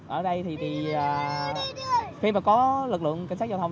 ở đây thì khi mà có lực lượng cảnh sát giao thông